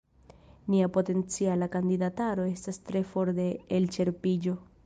Nia potenciala kandidataro estas tre for de elĉerpiĝo.